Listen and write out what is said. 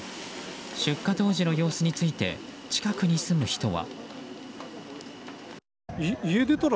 出火当時の様子について近くに住む人は。